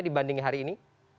dibanding hari ini